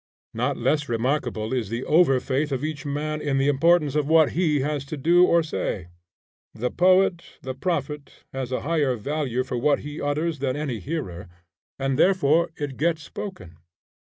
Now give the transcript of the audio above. Not less remarkable is the overfaith of each man in the importance of what he has to do or say. The poet, the prophet, has a higher value for what he utters than any hearer, and therefore it gets spoken.